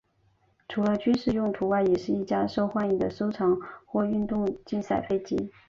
除了军事用途外也是一架受欢迎的收藏或运动竞赛飞机。